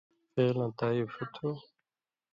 فعلاں تعریف ݜُو تُھو؟